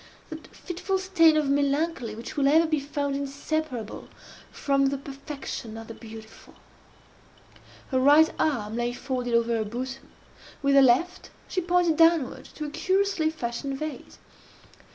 that fitful stain of melancholy which will ever be found inseparable from the perfection of the beautiful. Her right arm lay folded over her bosom. With her left she pointed downward to a curiously fashioned vase.